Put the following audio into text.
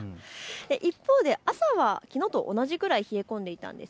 一方で朝はきのうと同じぐらい冷え込んでいたんです。